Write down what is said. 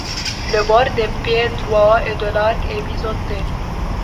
Le bord des piédroits et de l'arc est biseauté.